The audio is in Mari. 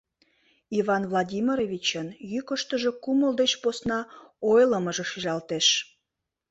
— Иван Владимировичын йӱкыштыжӧ кумыл деч посна ойлымыжо шижалтеш.